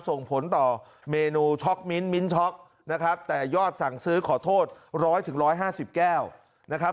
ส่งผลต่อเมนูช็อกมิ้นมิ้นช็อกนะครับแต่ยอดสั่งซื้อขอโทษร้อยถึง๑๕๐แก้วนะครับ